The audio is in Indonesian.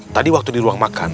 tadi waktu di ruang makan